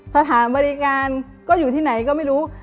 สถานบริการก็อยู่ที่ไหนก็ไม่รู้